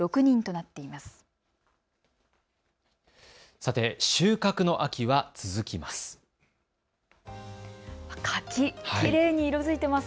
さて、収穫の秋は続きます。